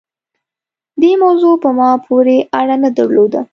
دې موضوع په ما پورې اړه نه درلوده.